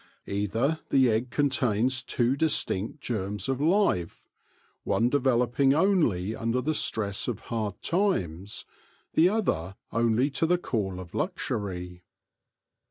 Either the egg contains two distinct germs of life, one developing only under the stress of hard times, the other only to the call of luxury.